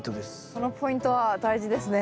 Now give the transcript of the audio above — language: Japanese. そのポイントは大事ですね。